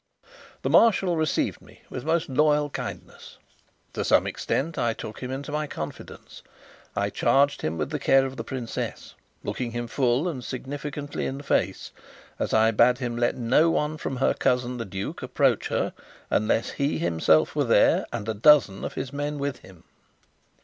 The Marshal received me with most loyal kindness. To some extent, I took him into my confidence. I charged him with the care of the princess, looking him full and significantly in the face as I bade him let no one from her cousin the duke approach her, unless he himself were there and a dozen of his men with him.